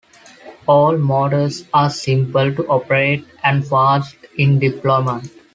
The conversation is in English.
All mortars are simple to operate and fast in deployment.